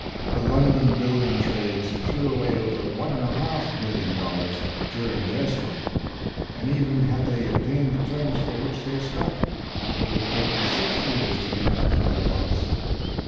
The London building trades threw away over one and a half million dollars during their strike; and even had they obtained the terms for which they struck, it woula have taken six years to make up for their loss.